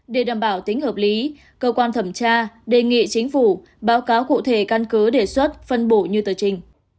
để đảm bảo tính hợp lý cơ quan thẩm tra đề nghị chính phủ báo cáo cụ thể căn cứ đề xuất phân bổ như tờ trình